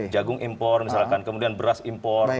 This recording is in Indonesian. jagung impor misalkan kemudian beras impor